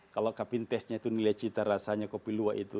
kalau kapin taste nya itu nilai cita rasanya kopi luwak itu